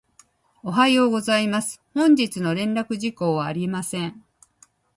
おはようございます。本日の連絡事項はありません。